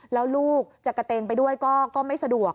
แล้วลูกจะกระเตงไปด้วยก็ไม่สะดวก